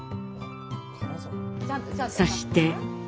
そして。